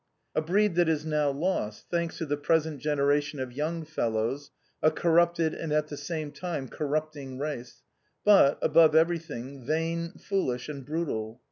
A breed that is now lost, thanks to the present genera tion of young fellows, a corrupted and at the same time cor rupting race, but, above everything, vain, foolish and brutal.